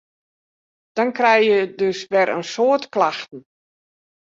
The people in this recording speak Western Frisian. Dan krije je dus wer in soad klachten.